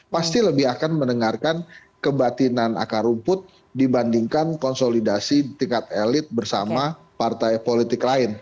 pasti lebih akan mendengarkan kebatinan akar rumput dibandingkan konsolidasi tingkat elit bersama partai politik lain